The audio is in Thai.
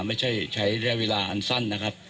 ไม่ใช่ใช้ระยะเวลาอันสั้นนะครับ